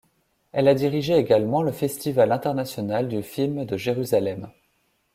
Elle a dirigé également le Festival international du film de Jérusalem.